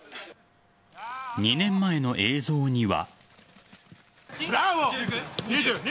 ２年前の映像には。